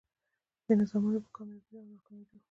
دې نظامونو په کاميابېدو او ناکامېدو